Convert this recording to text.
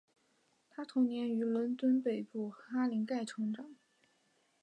她童年于伦敦北部哈林盖成长。